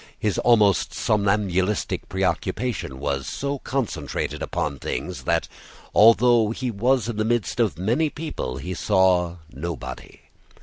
His almost somnambulistic preoccupation was so concentrated upon things that, although he was in the midst of many people, he saw nobody.